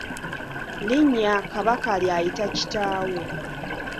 Linnya Kabaka ly’ayita kitaawe.